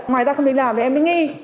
ngoài ra không đến làm thì em mới nghi